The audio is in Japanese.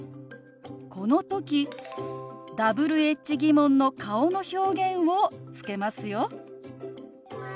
この時Ｗｈ−疑問の顔の表現をつけますよ。